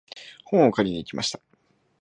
本を借りに行きました。